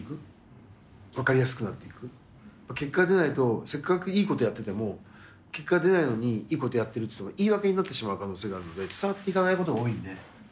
結果が出ないとせっかくいいことやってても結果が出ないのにいいことやってるって言っても言い訳になってしまう可能性があるので伝わっていかないことが多いんで。